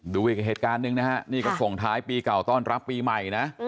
ดูอีกเหตุการณ์หนึ่งนะฮะนี่ก็ส่งท้ายปีเก่าต้อนรับปีใหม่นะ